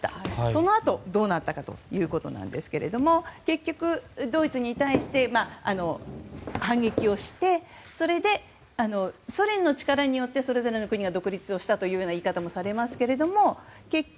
そのあと、どうなったかということですが結局、ドイツに対して反撃をしてそれで、ソ連の力によってそれぞれの国が独立をしたという言い方もされますけども。